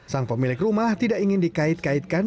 sang pemilik rumah tidak ingin dikait kaitkan